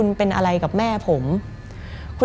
มันกลายเป็นรูปของคนที่กำลังขโมยคิ้วแล้วก็ร้องไห้อยู่